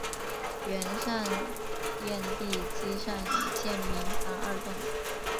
原上殿地基上已建民房二幢。